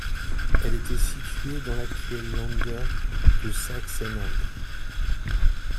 Elle était située dans l’actuel Länder de Saxe-Anhalt.